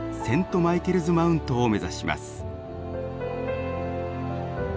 セント・マイケルズ・マウントを目指します。